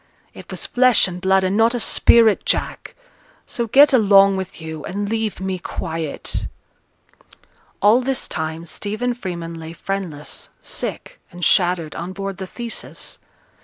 It was flesh and blood, and not a spirit, Jack. So get along with you, and leave me quiet.' All this time Stephen Freeman lay friendless, sick, and shattered, on board the Theseus.